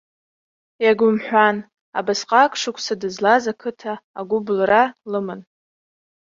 Егьаумҳәан, абасҟак шықәса дызлаз ақыҭа агәыблра лыман.